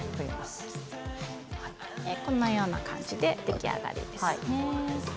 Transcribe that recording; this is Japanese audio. このような感じで出来上がりです。